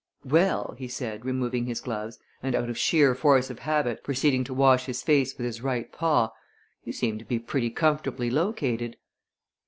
"Well," he said, removing his gloves, and out of sheer force of habit proceeding to wash his face with his right paw, "you seem to be pretty comfortably located."